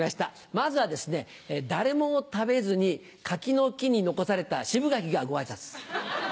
まずはですね誰も食べずに柿の木に残された渋柿がご挨拶。